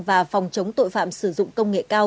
và phòng chống tội phạm sử dụng công nghệ cao